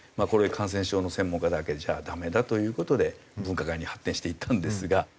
これは感染症の専門家だけじゃダメだという事で分科会に発展していったんですが。